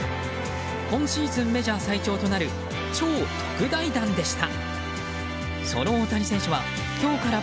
今シーズンメジャー最長となる超特大弾でした。